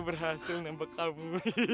berhasil nempak kamu